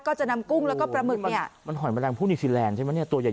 ก็จะนำกุ้งแล้วก็ปลาหมึกเนี่ยมันหอยแมลงผู้นิวซีแลนด์ใช่ไหมเนี่ยตัวใหญ่